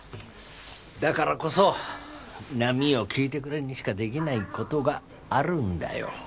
だからこそ『波よ聞いてくれ』にしかできない事があるんだよ。